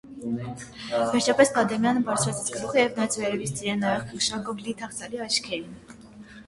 Վերջապես Բադամյանը բարձրացրեց գլուխը և նայեց վերևից իրեն նայող քնքշանքով լի թախծալի աչքերին: